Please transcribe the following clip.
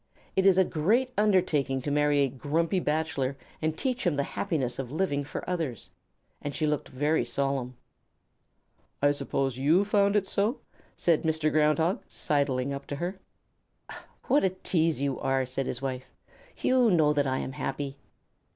It is a great undertaking to marry a grumpy bachelor and teach him the happiness of living for others." And she looked very solemn. "I suppose you found it so?" said Mr. Ground Hog, sidling up toward her. "What a tease you are!" said his wife. "You know that I am happy."